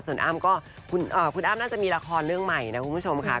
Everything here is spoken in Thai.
ส่วนอ้ำก็คุณอ้ำน่าจะมีละครเรื่องใหม่นะคุณผู้ชมค่ะ